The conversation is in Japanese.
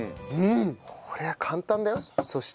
これは簡単だよそして。